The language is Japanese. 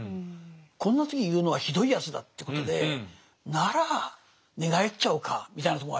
こんな時に言うのはひどいやつだということでなら寝返っちゃおうかみたいなとこもあるんですね。